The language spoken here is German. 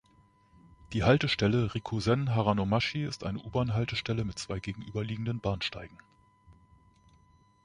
Die Haltestelle Rikuzen-Haranomachi ist eine U-Bahn-Haltestelle mit zwei gegenüberliegenden Bahnsteigen.